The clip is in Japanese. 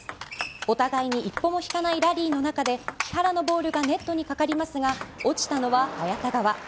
お互いに一歩も引かないラリーの中で木原のボールがネットにかかりますが落ちたのは早田側。